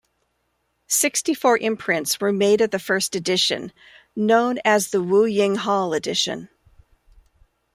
Sixty-four imprints were made of the first edition, known as the Wu-ying Hall edition.